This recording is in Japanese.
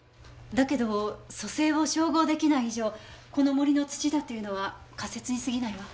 だけど組成を照合出来ない以上この森の土だというのは仮説にすぎないわ。